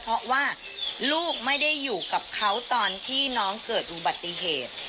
เพราะว่าลูกไม่ได้อยู่กับเขาตอนที่น้องเกิดอุบัติเหตุ